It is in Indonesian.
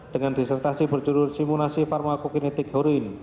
dengan disertasi berjudul simulasi pharmacokinetik horin